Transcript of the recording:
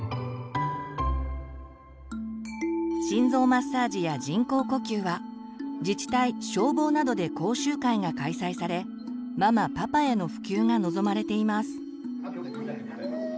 心臓マッサージや人工呼吸は自治体消防などで講習会が開催されママ・パパへの普及が望まれています。